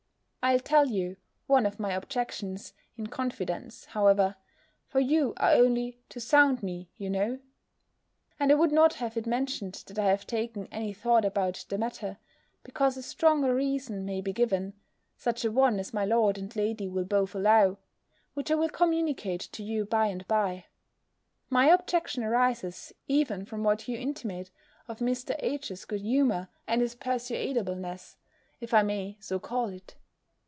I'll tell you one of my objections, in confidence, however, (for you are only to sound me, you know:) and I would not have it mentioned that I have taken any thought about the matter, because a stronger reason may be given, such a one as my lord and lady will both allow; which I will communicate to you by and bye. My objection arises even from what you intimate, of Mr. H.'s good humour, and his persuadableness, if I may so call it.